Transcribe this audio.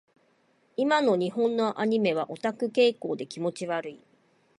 今の日本のアニメはオタク傾向で気持ち悪い。